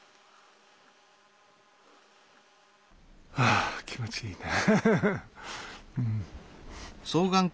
あ気持ちいいね。